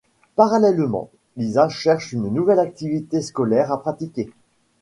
Parallèlement, Lisa cherche une nouvelle activité scolaire à pratiquer.